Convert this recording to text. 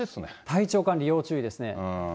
体調管理、要注意ですね。